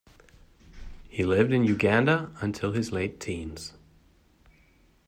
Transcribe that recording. He lived in Uganda until his late teens.